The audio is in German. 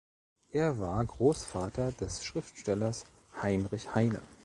Er war Großvater des Schriftstellers Heinrich Heine.